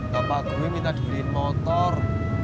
bapak gue minta dibeliin motor